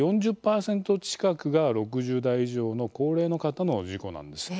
４０％近くが６０代以上の高齢の方の事故なんです。